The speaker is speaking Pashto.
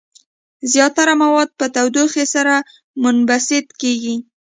زیاتره مواد په تودوخې سره منبسط کیږي.